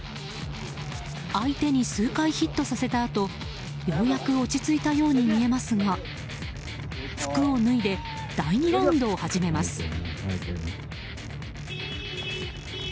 相手に数回ヒットさせたあとようやく落ち着いたように見えますが服を脱いで第２ラウンドを始めます。